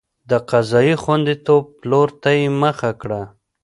د قضایي خوندیتوب پلور ته یې مخه کړه.